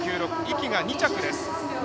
壹岐が２着です。